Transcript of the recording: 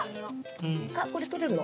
あっこれ取れるの？